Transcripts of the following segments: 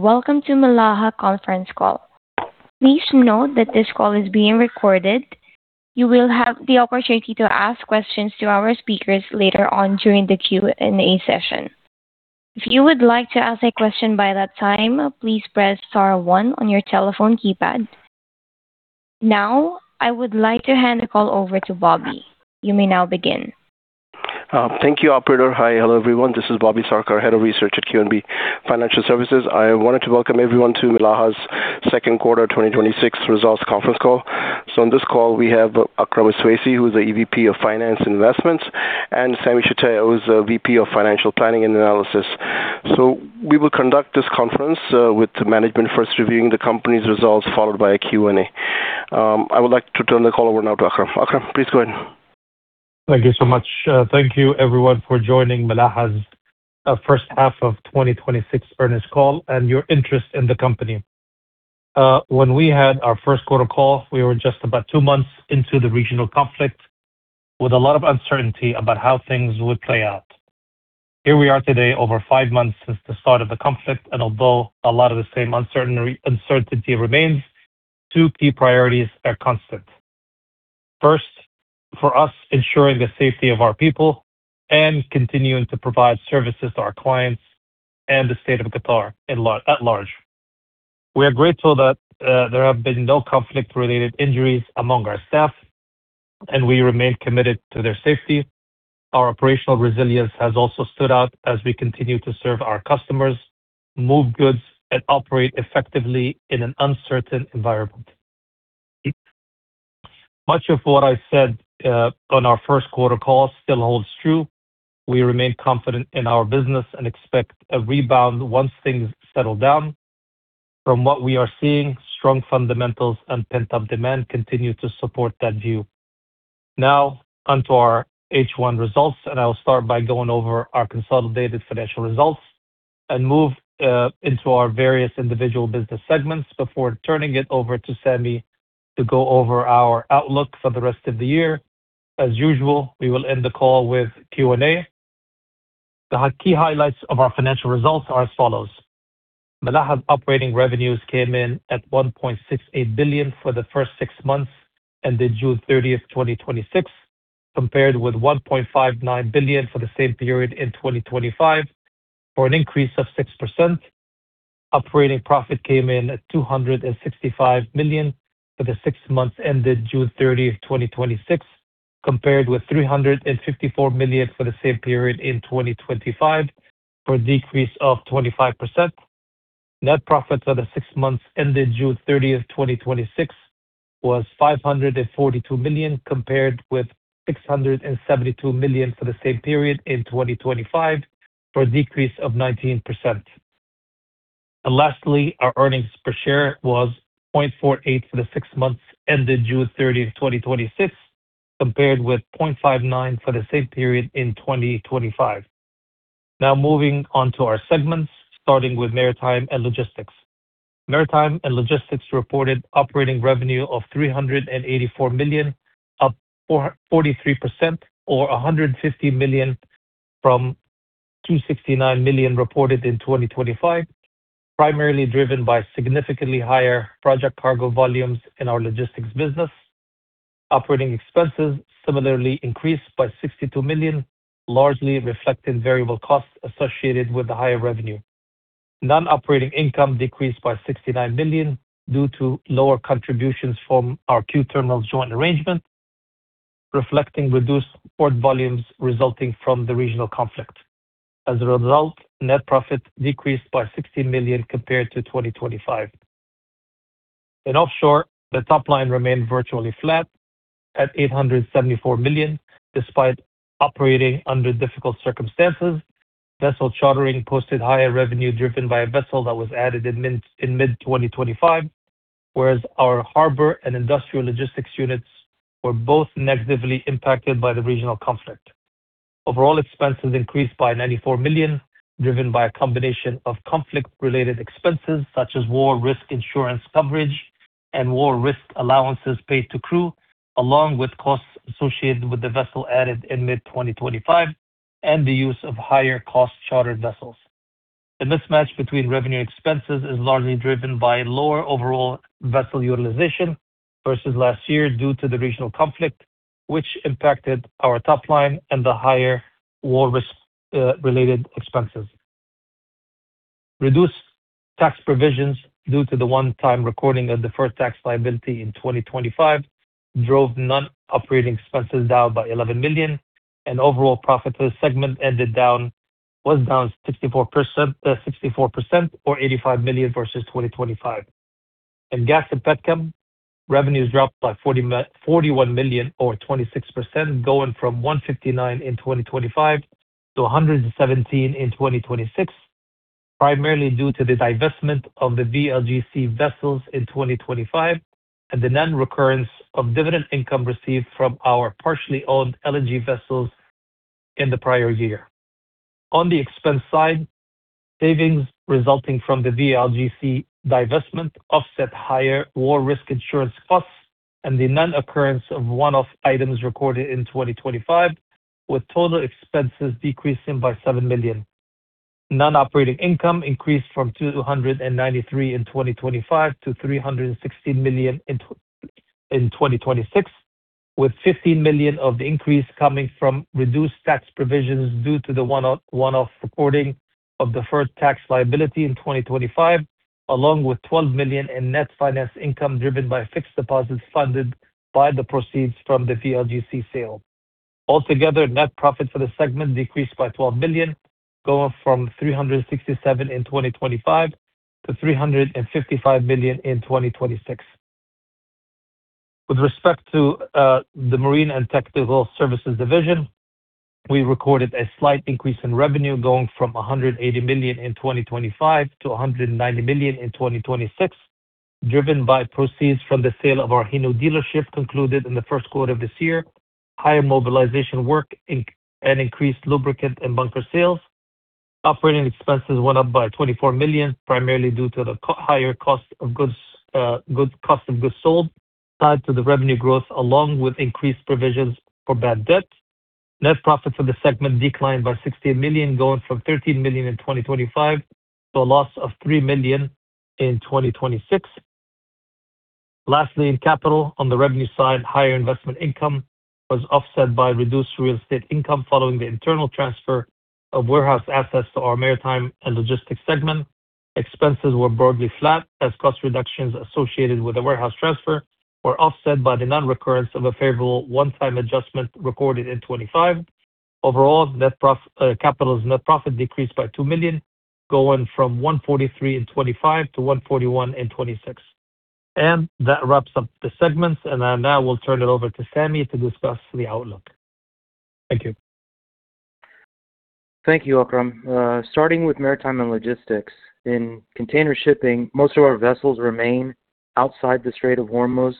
Welcome to Milaha conference call. Please note that this call is being recorded. You will have the opportunity to ask questions to our speakers later on during the Q&A session. If you would like to ask a question by that time, please press star one on your telephone keypad. Now, I would like to hand the call over to Bobby. You may now begin. Thank you, operator. Hi. Hello, everyone. This is Bobby Sarkar, Head of Research at QNB Financial Services. I wanted to welcome everyone to Milaha's second quarter 2026 results conference call. On this call, we have Akram Iswaisi, who is the Executive Vice President of Finance and Investments, and Sami Shtayyeh, who is the Vice President of Financial Planning and Analysis. We will conduct this conference with management first reviewing the company's results, followed by a Q&A. I would like to turn the call over now to Akram. Akram, please go ahead. Thank you so much. Thank you everyone for joining Milaha's first half of 2026 earnings call and your interest in the company. When we had our first quarter call, we were just about two months into the regional conflict with a lot of uncertainty about how things would play out. Here we are today, over five months since the start of the conflict, and although a lot of the same uncertainty remains, two key priorities are constant. First, for us, ensuring the safety of our people and continuing to provide services to our clients and the State of Qatar at large. We are grateful that there have been no conflict-related injuries among our staff, and we remain committed to their safety. Our operational resilience has also stood out as we continue to serve our customers, move goods, and operate effectively in an uncertain environment. Much of what I said on our first quarter call still holds true. We remain confident in our business and expect a rebound once things settle down. From what we are seeing, strong fundamentals and pent-up demand continue to support that view. On to our H1 results, I'll start by going over our consolidated financial results and move into our various individual business segments before turning it over to Sami to go over our outlook for the rest of the year. As usual, we will end the call with Q&A. The key highlights of our financial results are as follows. Milaha's operating revenues came in at 1.68 billion for the first six months and the June 30th, 2026, compared with 1.59 billion for the same period in 2025, for an increase of 6%. Operating profit came in at 265 million for the six months ended June 30th, 2026, compared with 354 million for the same period in 2025, for a decrease of 25%. Net profits for the six months ended June 30th, 2026, was 542 million, compared with 672 million for the same period in 2025, for a decrease of 19%. Lastly, our earnings per share was 0.48 for the six months ended June 30th, 2026, compared with 0.59 for the same period in 2025. Moving on to our segments, starting with Maritime and Logistics. Maritime and Logistics reported operating revenue of 384 million, up 43% or 150 million from 269 million reported in 2025, primarily driven by significantly higher project cargo volumes in our logistics business. Operating expenses similarly increased by 62 million, largely reflecting variable costs associated with the higher revenue. Non-operating income decreased by 69 million due to lower contributions from our QTerminals joint arrangement, reflecting reduced port volumes resulting from the regional conflict. As a result, net profit decreased by 16 million compared to 2025. In Offshore, the top line remained virtually flat at 874 million, despite operating under difficult circumstances. Vessel chartering posted higher revenue driven by a vessel that was added in mid-2025, whereas our harbor and industrial logistics units were both negatively impacted by the regional conflict. Overall expenses increased by 94 million, driven by a combination of conflict-related expenses such as war risk insurance coverage and war risk allowances paid to crew, along with costs associated with the vessel added in mid-2025 and the use of higher-cost chartered vessels. The mismatch between revenue expenses is largely driven by lower overall vessel utilization versus last year due to the regional conflict, which impacted our top line and the higher war risk-related expenses. Reduced tax provisions due to the one-time recording of deferred tax liability in 2025 drove non-operating expenses down by 11 million, and overall profit for the segment was down 64% or 85 million versus 2025. In Gas & Petrochem, revenues dropped by 41 million or 26%, going from 159 in 2025-QAR 117 in 2026, primarily due to the divestment of the VLGC vessels in 2025 and the non-recurrence of dividend income received from our partially owned LNG vessels in the prior year. On the expense side, savings resulting from the VLGC divestment offset higher war risk insurance costs. The non-occurrence of one-off items recorded in 2025, with total expenses decreasing by 7 million. Non-operating income increased from 293 in 2025-QAR 360 million in 2026, with 15 million of the increase coming from reduced tax provisions due to the one-off recording of deferred tax liability in 2025, along with 12 million in net finance income driven by fixed deposits funded by the proceeds from the VLGC sale. Altogether, net profit for the segment decreased by 12 million, going from 367 in 2025-QAR 355 million in 2026. With respect to the Marine & Technical Services division, we recorded a slight increase in revenue, going from 180 million in 2025-QAR 190 million in 2026, driven by proceeds from the sale of our Hino dealership concluded in the first quarter of this year, higher mobilization work, and increased lubricant and bunker sales. Operating expenses went up by 24 million, primarily due to the higher cost of goods sold tied to the revenue growth, along with increased provisions for bad debt. Net profit for the segment declined by 16 million, going from 13 million in 2025 to a loss of 3 million in 2026. Lastly, in Capital, on the revenue side, higher investment income was offset by reduced real estate income following the internal transfer of warehouse assets to our Maritime & Logistics segment. Expenses were broadly flat as cost reductions associated with the warehouse transfer were offset by the non-recurrence of a favorable one-time adjustment recorded in 2025. Overall, Capital's net profit decreased by 2 million, going from 143 million in 2025-QAR 141 million in 2026. That wraps up the segments, and I now will turn it over to Sami to discuss the outlook. Thank you. Thank you, Akram. Starting with Maritime & Logistics. In container shipping, most of our vessels remain outside the Strait of Hormuz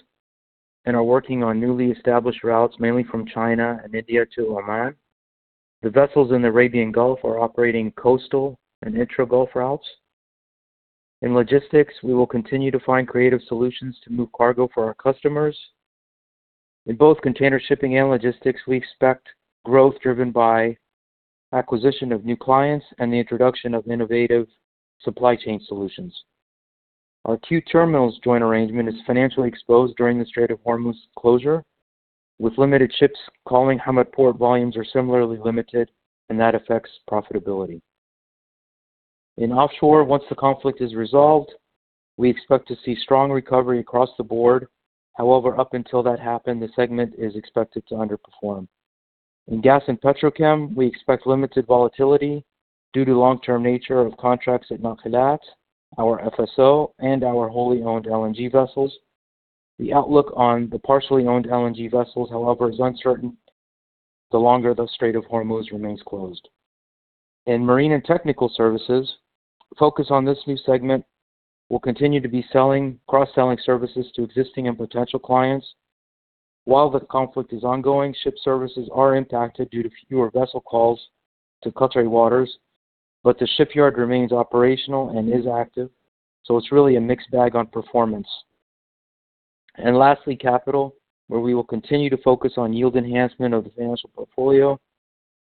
and are working on newly established routes, mainly from China and India to Oman. The vessels in the Arabian Gulf are operating coastal and intra-Gulf routes. In logistics, we will continue to find creative solutions to move cargo for our customers. In both container shipping and logistics, we expect growth driven by acquisition of new clients and the introduction of innovative supply chain solutions. Our QTerminals joint arrangement is financially exposed during the Strait of Hormuz closure. With limited ships calling Hamad Port, volumes are similarly limited, and that affects profitability. In Milaha Offshore, once the conflict is resolved, we expect to see strong recovery across the board. However, up until that happen, the segment is expected to underperform. In Gas & Petrochem, we expect limited volatility due to long-term nature of contracts at Nakilat, our FSO, and our wholly owned LNG vessels. The outlook on the partially owned LNG vessels, however, is uncertain the longer the Strait of Hormuz remains closed. In Marine & Technical Services, focus on this new segment will continue to be cross-selling services to existing and potential clients. While the conflict is ongoing, ship services are impacted due to fewer vessel calls to Qatari waters, but the shipyard remains operational and is active, so it's really a mixed bag on performance. Lastly, Capital, where we will continue to focus on yield enhancement of the financial portfolio,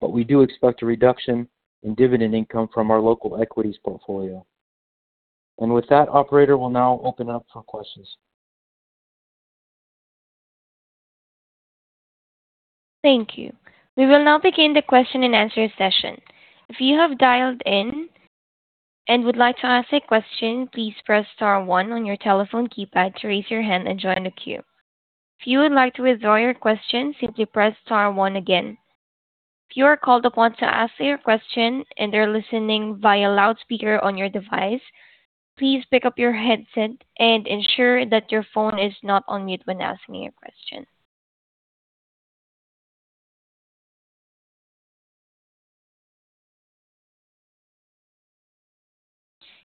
but we do expect a reduction in dividend income from our local equities portfolio. With that, operator, we'll now open up for questions. Thank you. We will now begin the question and answer session. If you have dialed in and would like to ask a question, please press star one on your telephone keypad to raise your hand and join the queue. If you would like to withdraw your question, simply press star one again. If you are called upon to ask your question and are listening via loudspeaker on your device, please pick up your headset and ensure that your phone is not on mute when asking your question.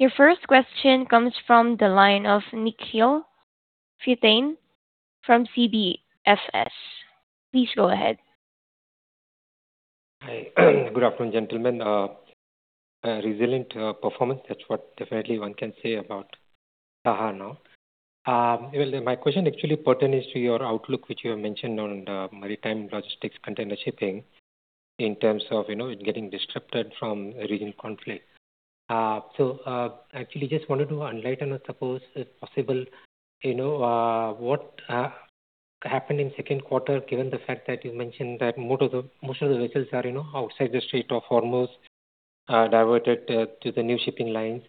Your first question comes from the line of Nikhil Phutane from CBFS. Please go ahead. Hi. Good afternoon, gentlemen. A resilient performance, that's what definitely one can say about Milaha now. Well, my question actually pertains to your outlook, which you have mentioned on the maritime logistics container shipping, in terms of it getting disrupted from regional conflict. Actually just wanted to enlighten, I suppose, if possible, what happened in second quarter, given the fact that you mentioned that most of the vessels are outside the Strait of Hormuz, diverted to the new shipping lines.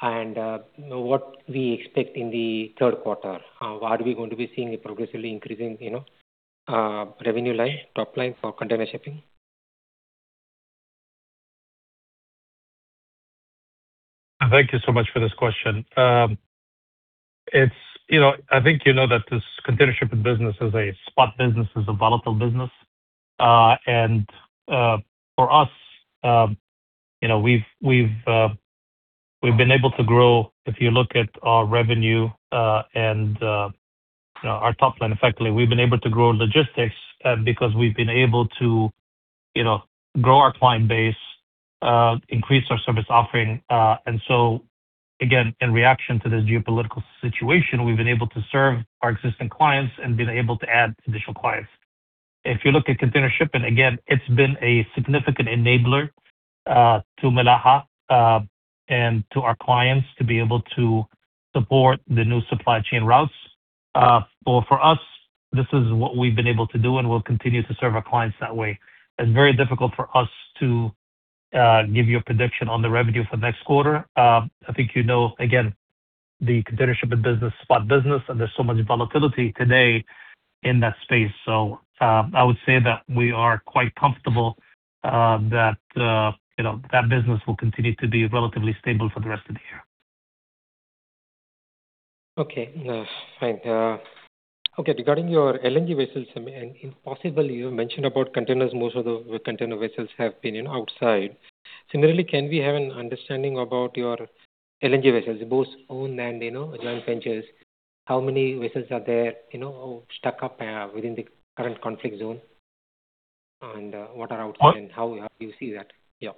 What we expect in the third quarter. Are we going to be seeing a progressively increasing revenue line, top line, for container shipping? Thank you so much for this question. I think you know that this container shipping business is a spot business, is a volatile business. For us, we've been able to grow. If you look at our revenue and our top line, effectively, we've been able to grow logistics because we've been able to grow our client base, increase our service offering. Again, in reaction to this geopolitical situation, we've been able to serve our existing clients and been able to add additional clients. If you look at container shipping, again, it's been a significant enabler to Milaha, and to our clients to be able to support the new supply chain routes. For us, this is what we've been able to do, and we'll continue to serve our clients that way. It's very difficult for us to give you a prediction on the revenue for next quarter. I think you know, again, the container shipping business, spot business, and there's so much volatility today in that space. I would say that we are quite comfortable that business will continue to be relatively stable for the rest of the year. Okay. Fine. Regarding your LNG vessels, if possible, you mentioned about containers. Most of the container vessels have been outside. Similarly, can we have an understanding about your LNG vessels, both owned and joint ventures? How many vessels are there stuck up within the current conflict zone, what are outside, and how you see that? Yeah.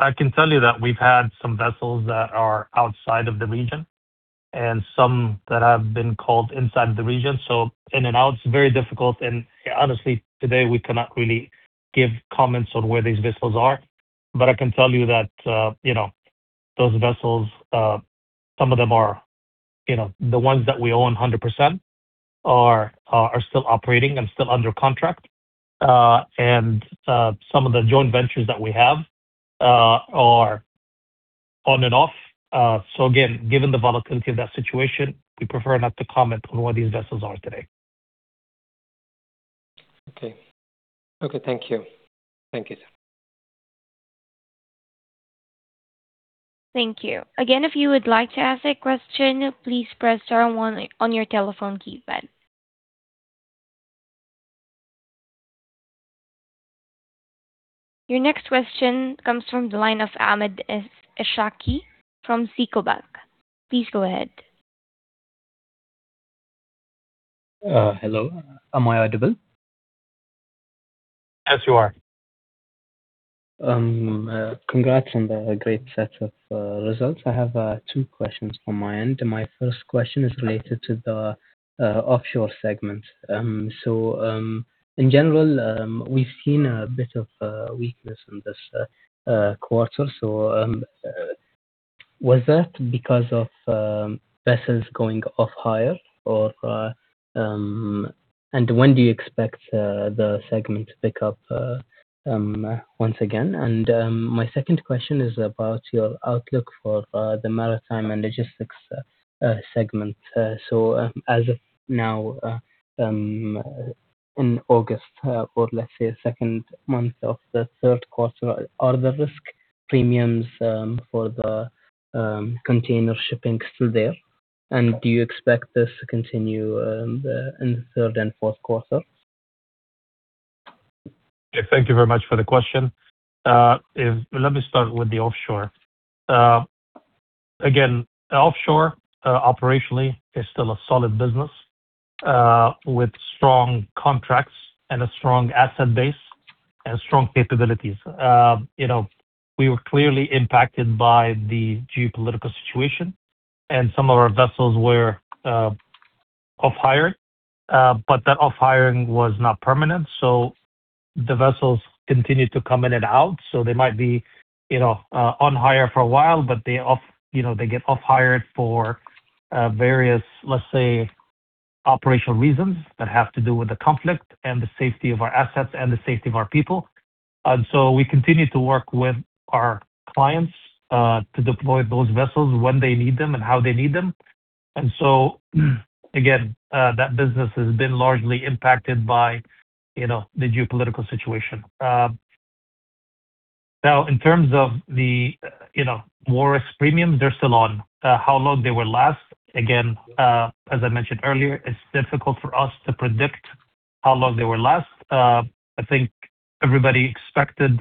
I can tell you that we've had some vessels that are outside of the region and some that have been called inside the region. In and out, it's very difficult. Honestly, today, we cannot really give comments on where these vessels are. I can tell you that those vessels, the ones that we own 100% are still operating and still under contract. Some of the joint ventures that we have are on and off. Again, given the volatility of that situation, we prefer not to comment on where these vessels are today. Okay. Thank you. Thank you. Again, if you would like to ask a question, please press star one on your telephone keypad. Your next question comes from the line of Ahmed Es'haqi from SICO Bank. Please go ahead. Hello. Am I audible? Yes, you are. Congrats on the great set of results. My first question is related to the Offshore Segment. In general, we've seen a bit of weakness in this quarter. Was that because of vessels going off hire? When do you expect the segment to pick up once again? My second question is about your outlook for the Maritime & Logistics Segment. As of now, in August, or let's say the second month of the third quarter, are the risk premiums for the container shipping still there? Do you expect this to continue in the third and fourth quarter? Thank you very much for the question. Let me start with the Offshore. Again Offshore, operationally, is still a solid business, with strong contracts, a strong asset base, and strong capabilities. We were clearly impacted by the geopolitical situation, some of our vessels were off hire. That off hiring was not permanent, the vessels continued to come in and out. They might be on hire for a while, but they get off hire for various operational reasons that have to do with the conflict and the safety of our assets and the safety of our people. We continue to work with our clients to deploy those vessels when they need them and how they need them. Again, that business has been largely impacted by the geopolitical situation. In terms of the war risk premium, they're still on. How long they will last, as I mentioned earlier, it's difficult for us to predict how long they will last. I think everybody expected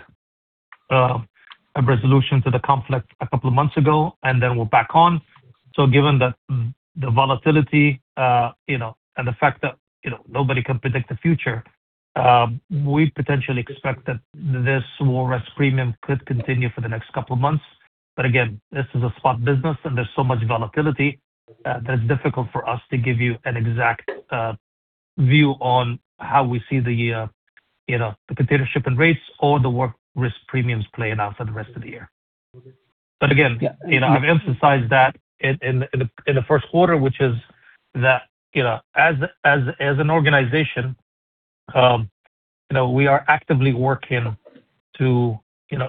a resolution to the conflict a couple of months ago, and then we're back on. Given the volatility, and the fact that nobody can predict the future, we potentially expect that this war risk premium could continue for the next couple of months. This is a spot business and there's so much volatility that it's difficult for us to give you an exact view on how we see the container shipping rates or the war risk premiums playing out for the rest of the year. I've emphasized that in the first quarter, which is that, as an organization, we are actively working to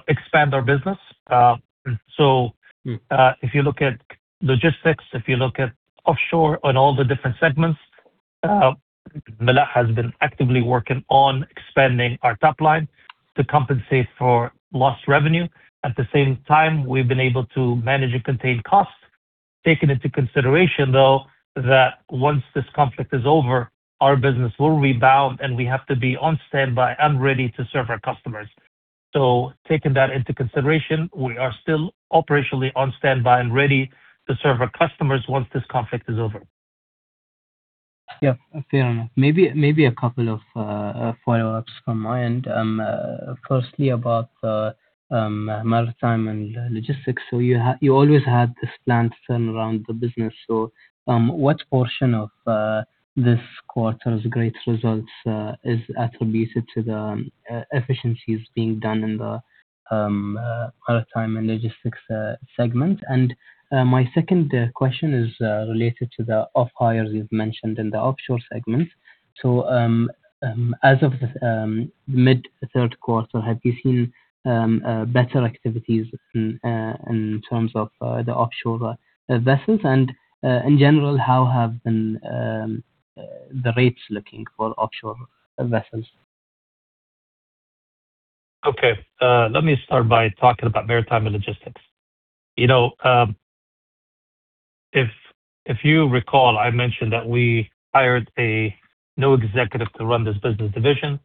expand our business. If you look at logistics, if you look at offshore on all the different segments, Milaha has been actively working on expanding our top line to compensate for lost revenue. At the same time, we've been able to manage and contain costs, taking into consideration, though, that once this conflict is over, our business will rebound, and we have to be on standby and ready to serve our customers. Taking that into consideration, we are still operationally on standby and ready to serve our customers once this conflict is over. Yeah, fair enough. Maybe a couple of follow-ups from my end. Firstly, about maritime and logistics. You always had this plan to turn around the business. What portion of this quarter's great results is attributed to the efficiencies being done in the maritime and logistics segment? My second question is related to the off-hires you've mentioned in the offshore segment. As of mid third quarter, have you seen better activities in terms of the offshore vessels? In general, how have been the rates looking for offshore vessels? Okay. Let me start by talking about maritime and logistics. If you recall, I mentioned that we hired a new executive to run this business division,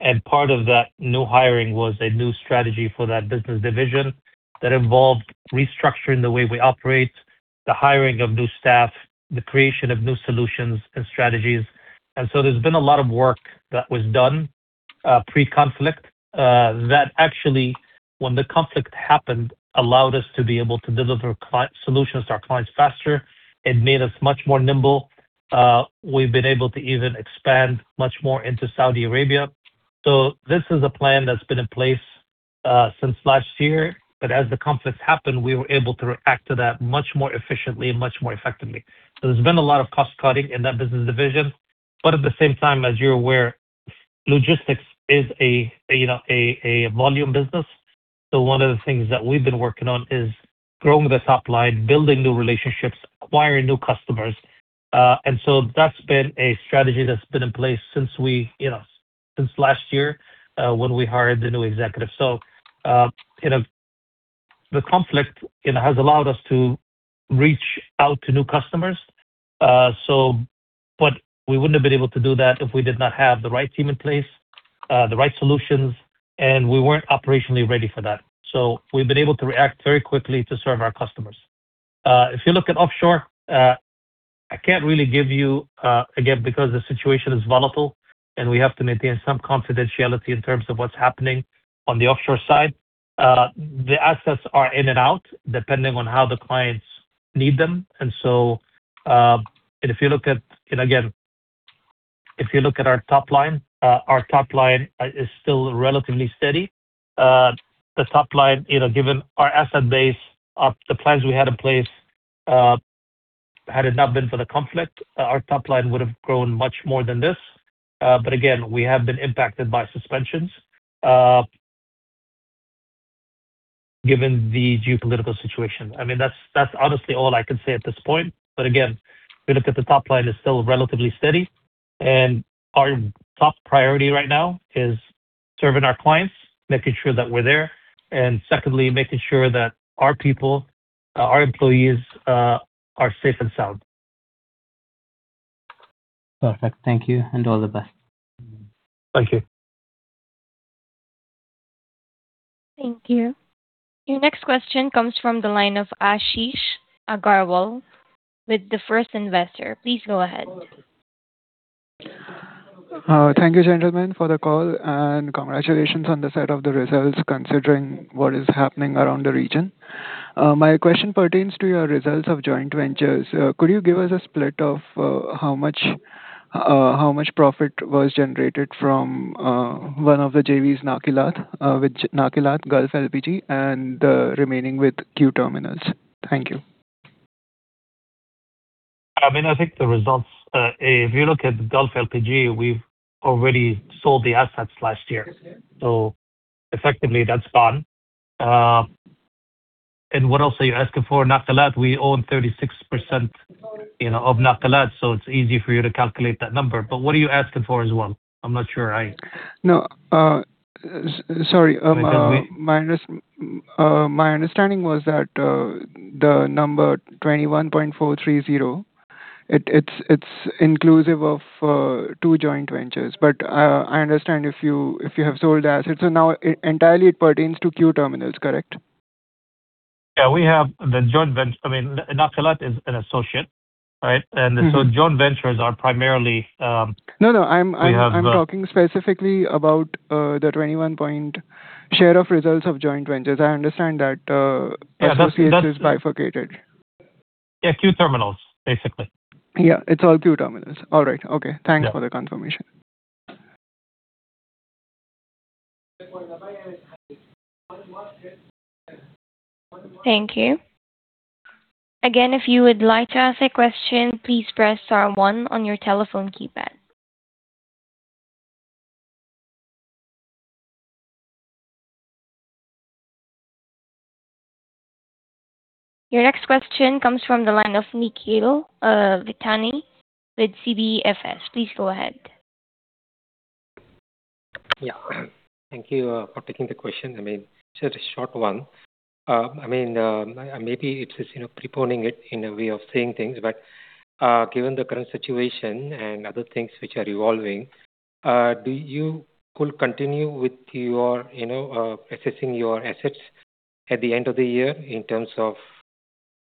and part of that new hiring was a new strategy for that business division that involved restructuring the way we operate, the hiring of new staff, the creation of new solutions and strategies. There's been a lot of work that was done pre-conflict, that actually, when the conflict happened, allowed us to be able to deliver solutions to our clients faster. It made us much more nimble. We've been able to even expand much more into Saudi Arabia. This is a plan that's been in place since last year, but as the conflict happened, we were able to react to that much more efficiently and much more effectively. There's been a lot of cost-cutting in that business division, but at the same time, as you're aware, logistics is a volume business. One of the things that we've been working on is growing the top line, building new relationships, acquiring new customers. That's been a strategy that's been in place since last year when we hired the new executive. The conflict has allowed us to reach out to new customers. We wouldn't have been able to do that if we did not have the right team in place, the right solutions, and we weren't operationally ready for that. We've been able to react very quickly to serve our customers. If you look at offshore, I can't really give you, again, because the situation is volatile, and we have to maintain some confidentiality in terms of what's happening on the offshore side. The assets are in and out depending on how the clients need them. If you look at our top line, our top line is still relatively steady. The top line, given our asset base, the plans we had in place, had it not been for the conflict, our top line would have grown much more than this. Again, we have been impacted by suspensions given the geopolitical situation. That's honestly all I can say at this point. Again, if you look at the top line, it's still relatively steady, and our top priority right now is serving our clients, making sure that we're there, and secondly, making sure that our people, our employees, are safe and sound. Perfect. Thank you, and all the best. Thank you. Thank you. Your next question comes from the line of Ashish Agrawal with The First Investor. Please go ahead. Thank you, gentlemen, for the call, and congratulations on the set of the results considering what is happening around the region. My question pertains to your results of joint ventures. Could you give us a split of how much profit was generated from one of the JVs, Nakilat Gulf LPG, and the remaining with QTerminals? Thank you. I think the results, if you look at Gulf LPG, we've already sold the assets last year. Effectively, that's gone. What else are you asking for? Nakilat, we own 36% of Nakilat, so it's easy for you to calculate that number. What are you asking for as well? I'm not sure. No. Sorry. I don't get. My understanding was that the number 21.430, it's inclusive of two joint ventures. I understand if you have sold assets, so now entirely it pertains to QTerminals, correct? Yeah. Nakilat is an associate. Right? No. We have. I'm talking specifically about the 21 point share of results of joint ventures. I understand that is bifurcated. Yeah, QTerminals, basically. Yeah. It's all QTerminals. All right. Okay. Yeah. Thanks for the confirmation. Thank you. Again, if you would like to ask a question, please press star one on your telephone keypad. Your next question comes from the line of Nikhil Phutane with CBFS. Please go ahead. Yeah. Thank you for taking the question. It's a short one. Maybe it's preponing it in a way of saying things, given the current situation and other things which are evolving, do you could continue with assessing your assets at the end of the year in terms of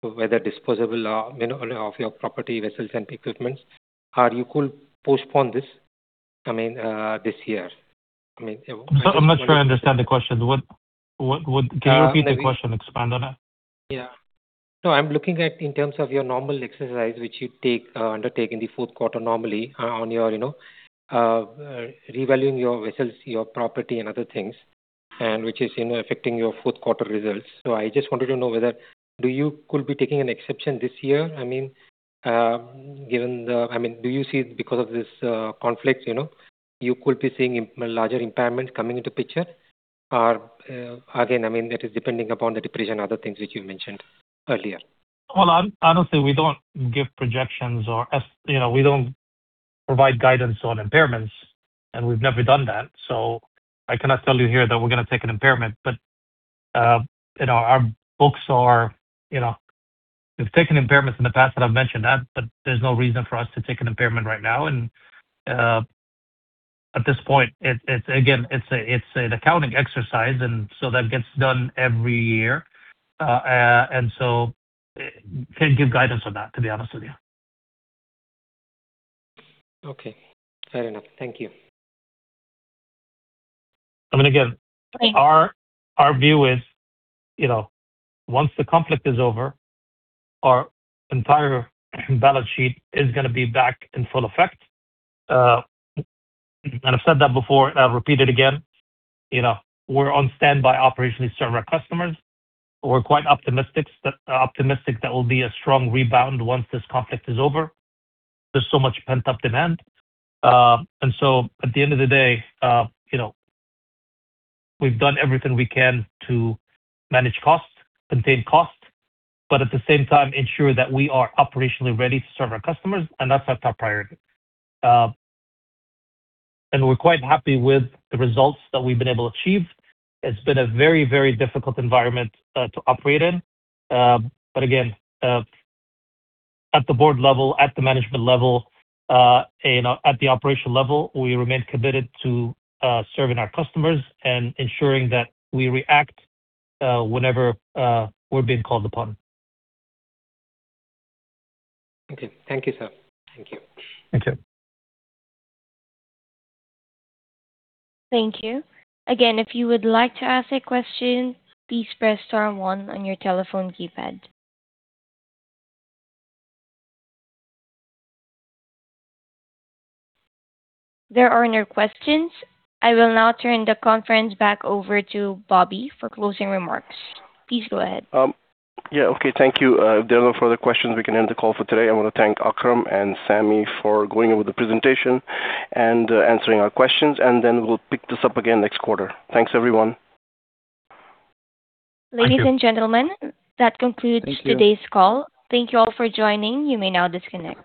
whether disposal of your property, vessels, and equipments, or you could postpone this year. I'm not sure I understand the question. Can you repeat the question, expand on it? Yeah. No, I'm looking at in terms of your normal exercise, which you undertake in the fourth quarter normally on revaluing your vessels, your property, and other things, and which is affecting your fourth quarter results. I just wanted to know whether, do you could be taking an exception this year? Do you see, because of this conflict, you could be seeing a larger impairment coming into picture? Again, that is depending upon the depreciation, other things which you mentioned earlier. Well, honestly, we don't give projections or we don't provide guidance on impairments, and we've never done that. I cannot tell you here that we're going to take an impairment. We've taken impairments in the past, and I've mentioned that, but there's no reason for us to take an impairment right now. At this point, again, it's an accounting exercise, and so that gets done every year. Can't give guidance on that, to be honest with you. Okay. Fair enough. Thank you. Again, our view is, once the conflict is over, our entire balance sheet is going to be back in full effect. I've said that before, and I'll repeat it again. We're on standby operationally to serve our customers. We're quite optimistic there will be a strong rebound once this conflict is over. There's so much pent-up demand. At the end of the day, we've done everything we can to manage costs, contain costs, but at the same time ensure that we are operationally ready to serve our customers, and that's our top priority. We're quite happy with the results that we've been able to achieve. It's been a very, very difficult environment to operate in. Again, at the board level, at the management level, and at the operational level, we remain committed to serving our customers and ensuring that we react whenever we're being called upon. Okay. Thank you, sir. Thank you. Thank you. Thank you. Again, if you would like to ask a question, please press star one on your telephone keypad. There are no questions. I will now turn the conference back over to Bobby for closing remarks. Please go ahead. Yeah, okay. Thank you. If there are no further questions, we can end the call for today. I want to thank Akram and Sami for going over the presentation and answering our questions, and then we'll pick this up again next quarter. Thanks, everyone. Ladies and gentlemen. That concludes today's call. Thank you all for joining. You may now disconnect.